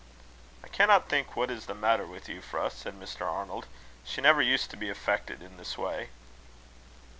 "I cannot think what is the matter with Euphra," said Mr. Arnold. "She never used to be affected in this way."